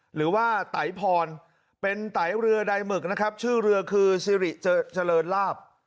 หรือว่าไตพรเป็นไตเรือใดหมึกนะครับชื่อเรือคือสิริเจริญลาบ